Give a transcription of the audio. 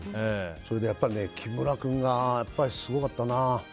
それで、木村君がすごかったな。